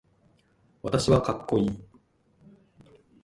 私はかっこいい